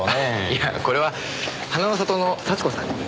いやこれは花の里の幸子さんに。